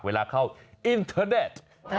เวลาเข้าอินเทอร์เน็ต